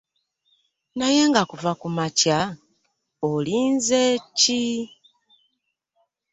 Naye nga kuva kumakya, olinze ki?